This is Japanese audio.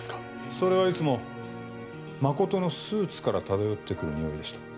それはいつも誠のスーツから漂ってくるにおいでした。